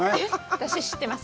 私、知ってます。